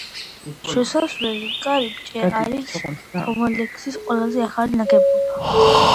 შესასვლელი კარიბჭე არის კომლექსის ყველაზე ახალი ნაგებობა.